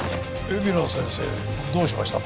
海老名先生どうしました？